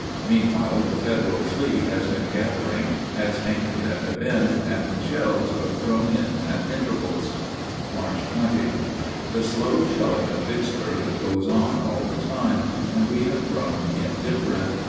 Meanwhile the Federal fleet has been gathering, has anchored at the bend, and shells are thrown in at intervals. March 20. The slow shelling of Vicksburg goes on all the time, and we have grown indifferent.